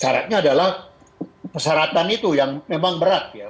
syaratnya adalah persyaratan itu yang memang berat ya